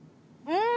うん。